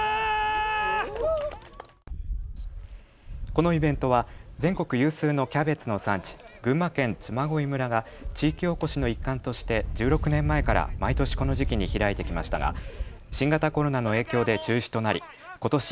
このイベントは全国有数のキャベツの産地、群馬県嬬恋村が地域おこしの一環として１６年前から毎年この時期に開いてきましたが新型コロナの影響で中止となりことし